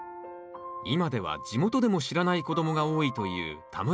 今では地元でも知らない子供が多いという田村かぶ。